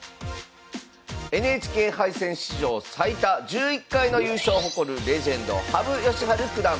ＮＨＫ杯戦史上最多１１回の優勝を誇るレジェンド羽生善治九段。